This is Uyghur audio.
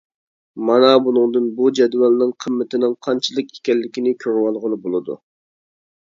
مانا بۇنىڭدىن بۇ جەدۋەلنىڭ قىممىتىنىڭ قانچىلىك ئىكەنلىكىنى كۆرۈۋالغىلى بولىدۇ.